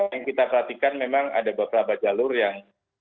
yang kita perhatikan memang ada beberapa jalur yang